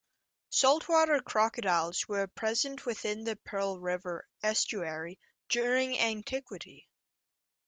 Saltwater crocodiles were present within the Pearl River estuary during antiquity.